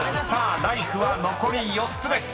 ［ライフは残り４つです。